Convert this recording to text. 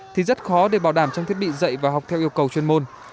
thì rất khó để bảo đảm trong thiết bị dạy và học theo yêu cầu chuyên môn